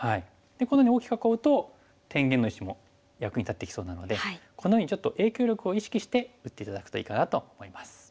このように大きく囲うと天元の石も役に立ってきそうなのでこのようにちょっと影響力を意識して打って頂くといいかなと思います。